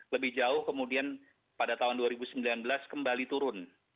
lebih jauh kemudian pada tahun dua ribu sembilan belas kembali turun